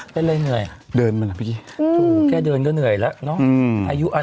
เป็นอะไรเหนื่อยแค่เดินก็เหนื่อยแล้วเนาะอายุอาณาภัณฑ์